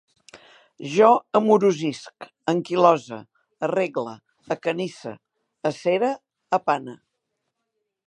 Jo amorosisc, anquilose, arregle, acanisse, acere, apane